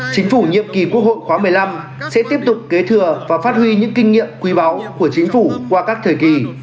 chính phủ nhiệm kỳ quốc hội khóa một mươi năm sẽ tiếp tục kế thừa và phát huy những kinh nghiệm quý báu của chính phủ qua các thời kỳ